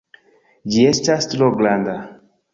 Ĝi estas tro granda!